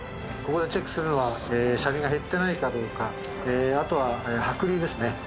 ここでチェックするのは車輪が減ってないかどうかあとは剥離ですね